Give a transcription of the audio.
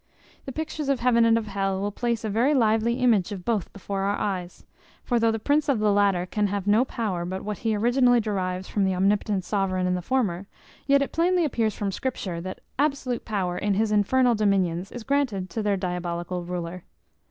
The pictures of heaven and of hell will place a very lively image of both before our eyes; for though the prince of the latter can have no power but what he originally derives from the omnipotent Sovereign in the former, yet it plainly appears from Scripture that absolute power in his infernal dominions is granted to their diabolical ruler.